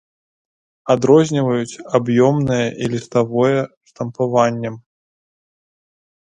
Адрозніваюць аб'ёмнае і ліставое штампаваннем.